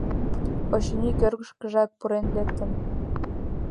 Очыни, кӧргышкыжак пурен лектын?